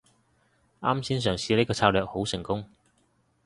啱先嘗試呢個策略好成功